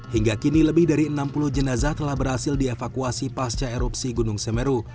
hingga kini lebih dari enam puluh jenazah telah berhasil dievakuasi pasca erupsi gunung semeru